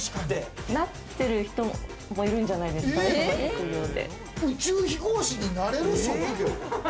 なっている人もいるんじゃな宇宙飛行士になれる職業？